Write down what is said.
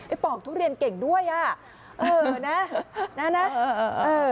ไอ้ปอกทุเรียนเก่งด้วยอ่ะเอ่อนะนะนะเอ่อ